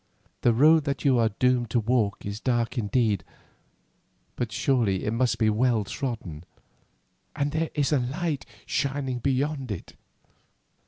"The road that you are doomed to walk is dark indeed, but surely it must be well trodden, and there is light shining beyond it.